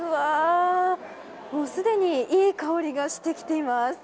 すでにいい香りがしてきています。